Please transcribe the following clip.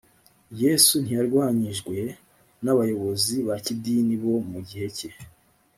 yesu ntiyarwanyijwe n abayobozi ba kidini bo mu gihe cye